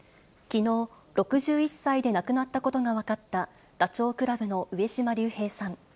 きのう、６１歳でなくなったことが分かった、ダチョウ倶楽部の上島竜兵さん。